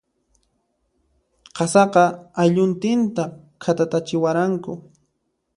Qasaqa, aylluntinta khatatatachiwaranku.